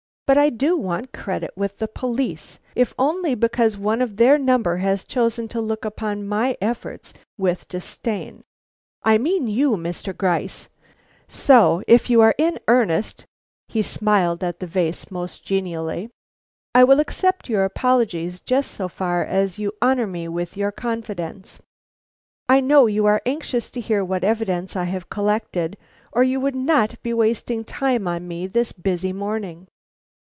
But I do want credit with the police, if only because one of their number has chosen to look upon my efforts with disdain. I mean you, Mr. Gryce; so, if you are in earnest" he smiled at the vase most genially "I will accept your apologies just so far as you honor me with your confidence. I know you are anxious to hear what evidence I have collected, or you would not be wasting time on me this busy morning."